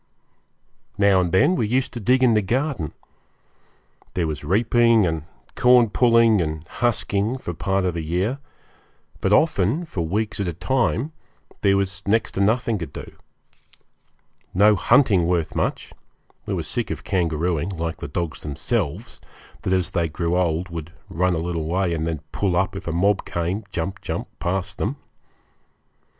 Now and then we used to dig in the garden. There was reaping and corn pulling and husking for part of the year; but often, for weeks at a time, there was next to nothing to do. No hunting worth much we were sick of kangarooing, like the dogs themselves, that as they grew old would run a little way and then pull up if a mob came, jump, jump, past them.